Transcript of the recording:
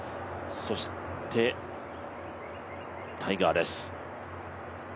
そして、タイガーです。